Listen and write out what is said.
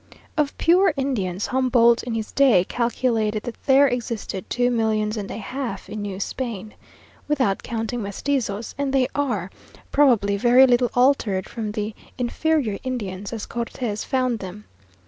Of pure Indians, Humboldt in his day calculated that there existed two millions and a half in New Spain (without counting mestizos), and they are, probably, very little altered from the inferior Indians, as Cortes found them.